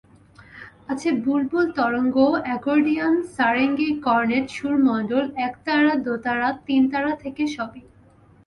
আছে বুলবুল তরঙ্গ, accordion, sarangi, cornet, সুরমণ্ডল, একতারা, দোতারা, তিনতারা থেকে সবই।